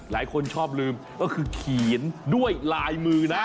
หลายคนชอบลืมก็คือเขียนด้วยลายมือนะ